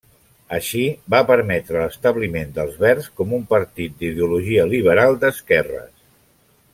Així, va permetre l'establiment d'Els Verds com un partit d'ideologia liberal d'esquerres.